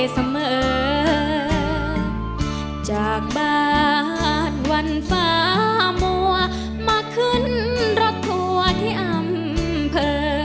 เสมอจากบ้านวันฟ้ามัวมาขึ้นรถทัวร์ที่อำเภอ